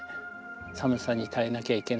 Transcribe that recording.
寒さに耐えなきゃいけない。